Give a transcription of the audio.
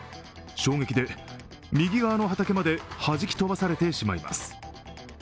衝撃で右側の畑まではじき飛ばされてしまいます。